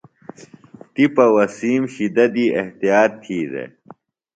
تِپہ وسیم شِدہ دی احتیاط تھی دےۡ۔